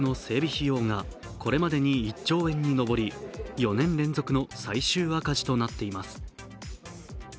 費用がこれまでに１兆円に上り４年連続の最終赤字となっています